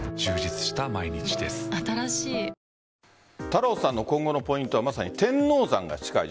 太郎さんの今後のポイントはまさに天王山が近い。